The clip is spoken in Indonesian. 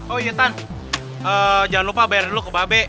oh iya tan jangan lupa bayar dulu ke babe